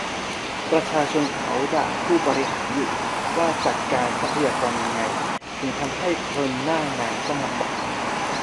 ประชาชนเขาด่าผู้บริหารอยู่ ว่าจัดการทรัพยากรยังไง ถึงทำให้คนหน้างานต้องลำบาก